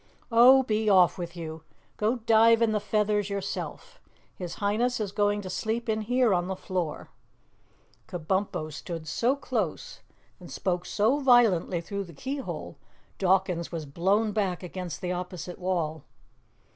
"Oh, be off with you. Go dive in the feathers yourself. His Highness is going to sleep in here on the floor." Kabumpo stood so close and spoke so violently through the keyhole, Dawkins was blown back against the opposite wall.